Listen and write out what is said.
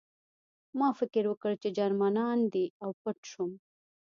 ما فکر وکړ چې جرمنان دي او پټ شوم